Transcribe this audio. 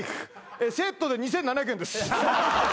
セットで２，７００円です。